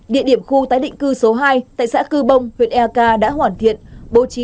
địa điểm khu tái định cư số hai tại xã cư bông huyện eka đã hoàn thiện bố trí